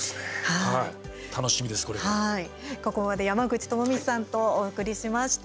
ここまで山口智充さんとお送りしました。